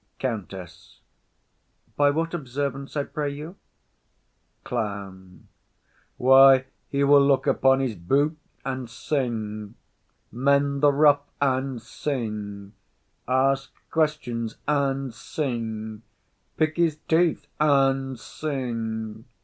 COUNTESS. By what observance, I pray you? CLOWN. Why, he will look upon his boot and sing; mend the ruff and sing; ask questions and sing; pick his teeth and sing.